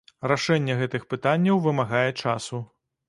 Рашэнне гэтых пытанняў вымагае часу.